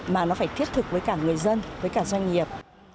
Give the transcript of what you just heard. mà nó phải thiết thực với cả người dân với cả doanh nghiệp